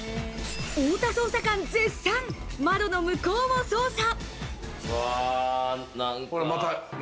太田捜査官絶賛、窓の向こうを捜査。